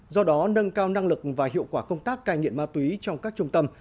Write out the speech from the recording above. do đó nâng cao năng lực và hiệu quả công tác cai nghiện ma túy trong các trung tâm